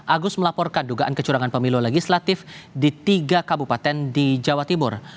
agus melaporkan dugaan kecurangan pemilu legislatif di tiga kabupaten di jawa timur